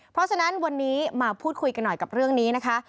เพราะฉะนั้นวันนี้มาพูดคุยกันหน่อยกับเรื่องนี้นะคะ